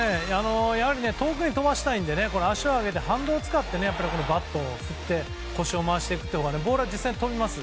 遠くに飛ばしたいので足を上げて反動を使ってバットを振って腰を回していったほうがボールは実際飛びます。